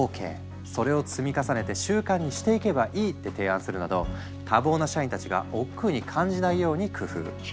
それを積み重ねて習慣にしていけばいい」って提案するなど多忙な社員たちがおっくうに感じないように工夫。